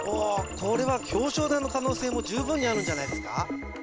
これは表彰台の可能性も十分にあるんじゃないですか？